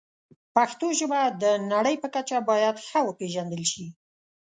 پښتو ژبه د نړۍ په کچه باید ښه وپیژندل شي.